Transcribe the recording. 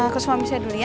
ke suami saya dulu ya